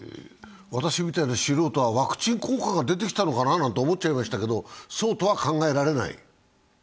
私みたいな素人は、ワクチン効果が出てきたのかなと思っちゃいましたけど、そうとは考えられない？